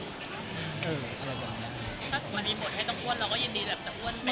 ถ้ามันมีบทให้ต้องอ้วนเราก็ยินดีแบบจะอ้วน